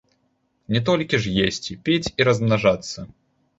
Не толькі ж есці, піць і размнажацца.